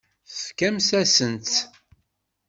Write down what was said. Tfakemt-asent-tt.